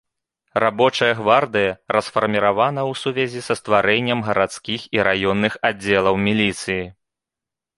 Рабочая гвардыя расфарміравана ў сувязі са стварэннем гарадскіх і раённых аддзелаў міліцыі.